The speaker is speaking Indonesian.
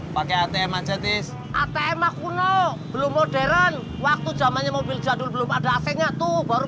pakai atm aja tis atm aku no belum modern waktu zamannya mobil jadul belum ada asingnya tuh baru